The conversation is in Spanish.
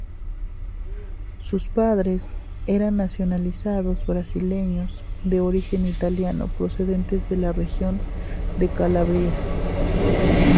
Sus padres eran nacionalizados brasileños de origen italiano procedentes de la región de Calabria.